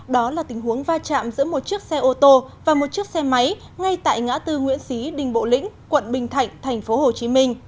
đó là tình huống va chạm giữa một chiếc xe ô tô và một chiếc xe máy ngay tại ngã tư nguyễn xí đình bộ lĩnh quận bình thạnh tp hcm